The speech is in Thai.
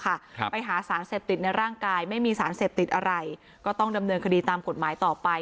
ครับไปหาสารเสพติดในร่างกายไม่มีสารเสพติดอะไรก็ต้องดำเนินคดีตามกฎหมายต่อไป